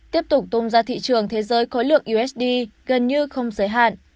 tiếp tục tung ra thị trường thế giới khối lượng usd gần như không giới hạn